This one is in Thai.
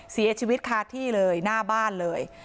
เสียชีวิตคาที่เลยหน้าบ้านเลย